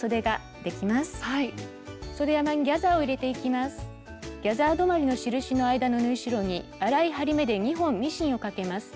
ギャザー止まりの印の間の縫い代に粗い針目で２本ミシンをかけます。